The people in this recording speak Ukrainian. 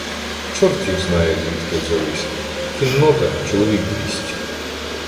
— Чорт їх знає, звідки взялися, — кіннота, чоловік двісті.